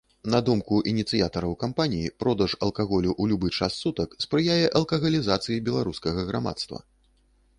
На думку ініцыятараў кампаніі, продаж алкаголю ў любы час сутак спрыяе алкагалізацыі беларускага грамадства.